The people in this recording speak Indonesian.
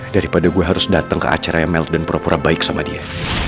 daripada gue harus datang ke acara yang melk dan pura pura baik sama dia